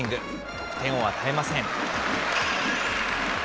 得点を与えません。